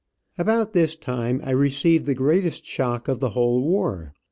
About this time I received the greatest shock of the whole war.